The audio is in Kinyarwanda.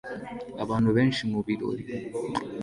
Abantu benshi mubirori